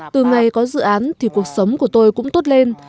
từ ngày có dự án thì cuộc sống của tôi cũng tốt lên